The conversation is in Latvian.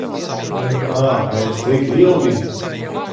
Nu kāpēc tik ilgi?